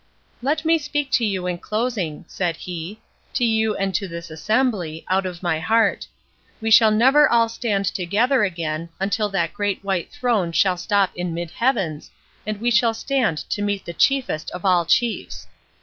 "Let me speak to you in closing," said he, "to you and to this assembly, out of my heart. We shall never all stand together again, until that great white throne shall stop in mid heavens, and we shall stand to meet the Chiefest of all chiefs.